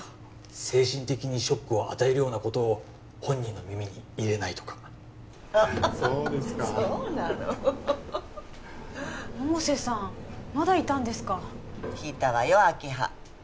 精神的にショックを与えるようなことを本人の耳に入れないとかそうですかそうなのホッホッ百瀬さんまだいたんですか聞いたわよ明葉